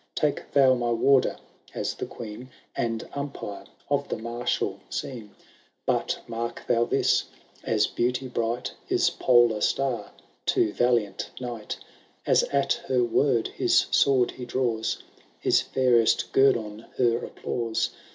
Take thou my warder, as the queen And umpire of the martial scene ; 43 THX BRIDAL OF TRIBRMAIN. Canto If, But mark thou this :— as Beauty bright Is polar star to valiant knight. As at her word his sword he draws. His Purest guerdon her applause.